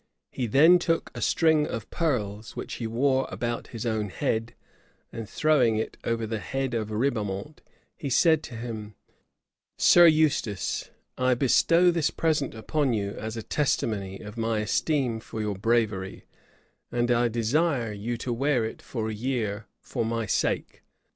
He then took a string of pearls, which he wore about his own head, and throwing it over the head of Ribaumont, he said to him, "Sir Eustace, I bestow this present upon you as a testimony of my esteem for your bravery; and I desire you to wear it a year for my sake.